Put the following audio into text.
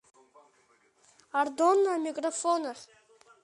Ардон амикрофон ахь.